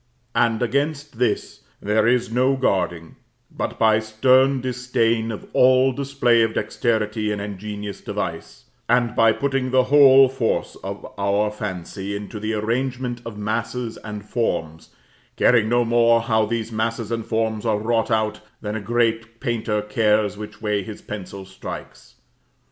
And against this there is no guarding, but by stern disdain of all display of dexterity and ingenious device, and by putting the whole force of our fancy into the arrangement of masses and forms, caring no more how these masses and forms are wrought out, than a great painter cares which way his pencil strikes.